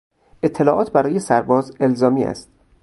اطلاعات برای سرباز الزامی است.